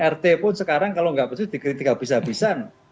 rt pun sekarang kalau nggak bersih dikritik habis habisan